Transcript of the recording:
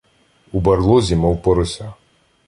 У барлозі мов порося.